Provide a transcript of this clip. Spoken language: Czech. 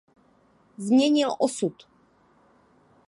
Změnil osud.